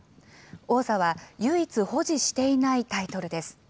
王座は唯一保持していないタイトルです。